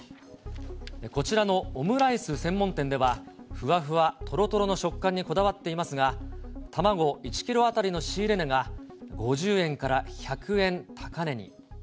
こちらのオムライス専門店では、ふわふわとろとろの食感にこだわっていますが、卵１キロ当たりの仕入れ値が、５０円から１００円高値に。